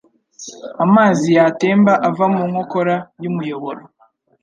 Amazi yatemba ava mu nkokora y'umuyoboro.